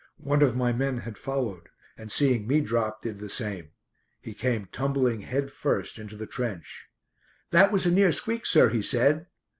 One of my men had followed, and seeing me drop, did the same. He came tumbling head first into the trench. "That was a near squeak, sir," he said.